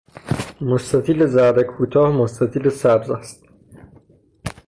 مستطیل زرد کوتاه مستطیل سبز است.